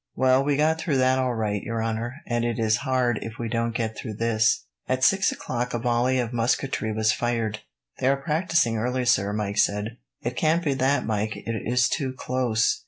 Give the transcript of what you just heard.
"Well, we got through that all right, your honour, and it is hard if we don't get through this." At six o'clock, a volley of musketry was fired. "They are practising early, sir," Mike said. "It can't be that, Mike. It is too close.